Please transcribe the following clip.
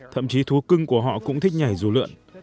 thậm chí thú cưng của họ cũng thích nhảy dù lượn